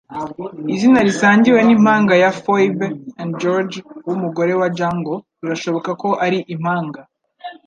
Izina risangiwe nimpanga ya Phoebe & George wumugore wa Jungle, birashoboka ko ari impanga